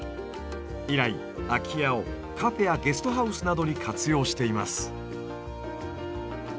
以来空き家をカフェやゲストハウスなどに活用しています。